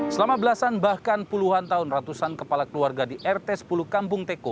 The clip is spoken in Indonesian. selama belasan bahkan puluhan tahun ratusan kepala keluarga di rt sepuluh kampung teko